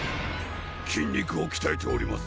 筋肉をきたえております